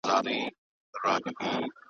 طبیعت د ژوند ښکلا ده.